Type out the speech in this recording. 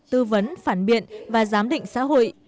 tư vấn phản biện và giám định xã hội